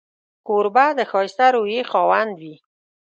کوربه د ښایسته روحيې خاوند وي.